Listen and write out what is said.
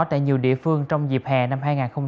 tại nhiều địa phương trong dịp hè năm hai nghìn một mươi chín